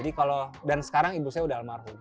dan sekarang ibu saya udah almarhum